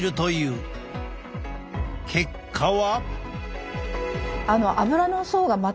結果は？